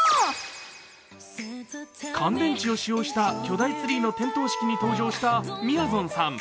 乾電池を使用した巨大ツリーの点灯式に登場したみやぞんさん。